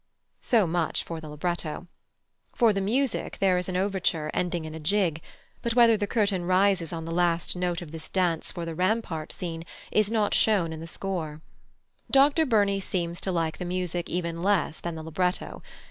So much for the libretto. For the music, there is an overture, ending in a jig; but whether the curtain rises on the last note of this dance for the "Rampart" scene, is not shown in the score. Dr Burney seems to like the music even less than the libretto.